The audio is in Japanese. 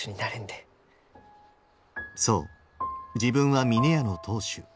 そう自分は峰屋の当主。